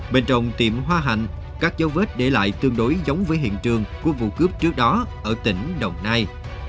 bên trong tiệm hoa hạnh các dấu vết để lại tương đối giống với hiện trường của vụ cướp trước đó ở tỉnh đồng nai